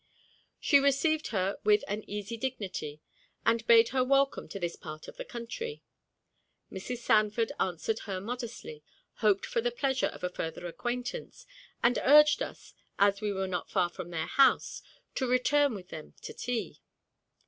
She received her with an easy dignity, and bade her welcome to this part of the country. Mrs. Sanford answered her modestly, hoped for the pleasure of a further acquaintance, and urged us, as we were not far from their house, to return with them to tea.